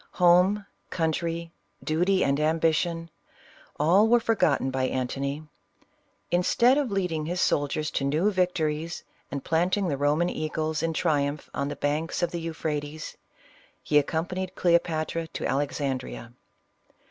Home, country, duty and ambition — all were forgotten by Antony. Instead of leading his soldiers to new victories, and planting the Eoman eagles in triumph on the banks of the Euphrates, he accompanied Cleo patra to Alexandrea.